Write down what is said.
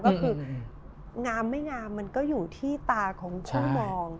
ก็คืองามไม่งามมันก็อยู่ที่ตาของผู้มอง